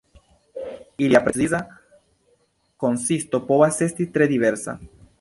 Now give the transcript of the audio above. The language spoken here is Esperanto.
Ilia preciza konsisto povas esti tre diversa.